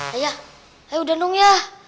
ayah ayo deng ya